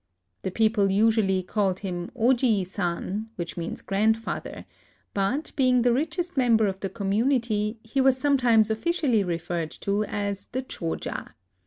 The people usually called him Ojlisan, which means Grandfather ; but, being the richest member of the commu nity, he was sometimes officially referred to as the Choja.